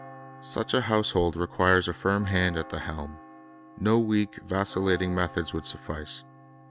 Such a household required a firm hand at the helm. No weak, vacillating methods would suffice.